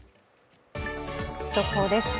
速報です。